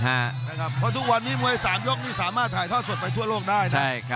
เพราะทุกวันนี้มวย๓ยกนี่สามารถถ่ายทอดสดไปทั่วโลกได้นะ